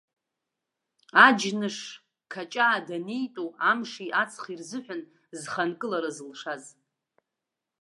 Аџьныш-қаҷаа данитәу амши аҵхи рзыҳәан зхы анкылара зылшаз.